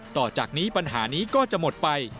ต่อจากนี้ปัญหานี้ก็จะหมดไป